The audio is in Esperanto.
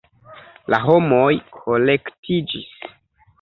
La homoj kolektiĝis.